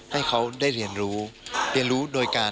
ให้เขาได้เรียนรู้เรียนรู้โดยการ